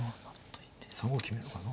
３五歩決めるのかな。